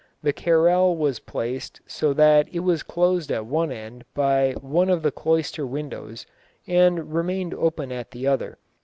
The carrell was placed so that it was closed at one end by one of the cloister windows and remained open at the other.